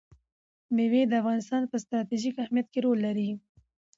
مېوې د افغانستان په ستراتیژیک اهمیت کې رول لري.